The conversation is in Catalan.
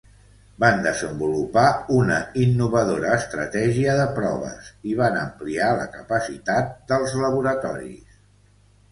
Van desenvolupar una innovadora estratègia de proves i van ampliar la capacitat dels laboratoris.